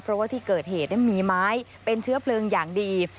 เพราะว่าที่เกิดเหตุมีไม้เป็นเชื้อเพลิงอย่างดี